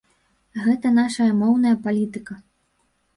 Гэта нашая моўная палітыка.